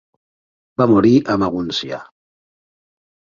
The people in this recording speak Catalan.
Va morir a Magúncia.